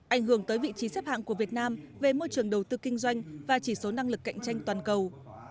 ảnh hưởng tới vị trí xếp hạng của việt nam về môi trường đầu tư kinh doanh và chỉ số năng lực cạnh tranh toàn cầu